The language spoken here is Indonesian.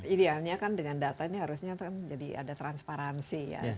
idealnya kan dengan data ini harusnya kan jadi ada transparansi ya